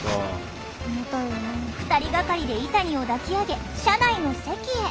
２人がかりでイタニを抱き上げ車内の席へ。